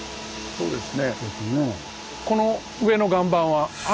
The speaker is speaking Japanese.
そうですね。